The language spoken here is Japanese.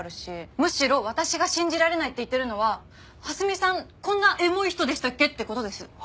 むしろ私が信じられないって言ってるのは蓮見さんこんなエモい人でしたっけって事です。は？